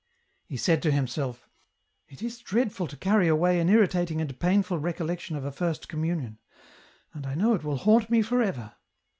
He said to himself, "It is dreadful to carry away an irritating and painful recollection of a first communion — and I know it will haunt me for ever.